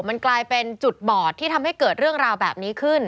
มันกลายเป็นจุดบอดที่ทำให้เกิดเรื่องราวแบบนี้ขึ้น